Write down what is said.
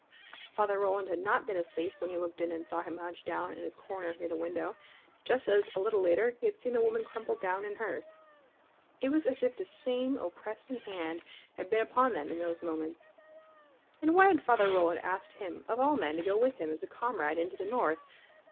Father Roland had not been asleep when he looked in and saw him hunched down in his corner near the window, just as a little later he had seen the woman crumpled down in hers. It was as if the same oppressing hand had been upon them in those moments. And why had Father Roland asked him of all men to go with him as a comrade into the North?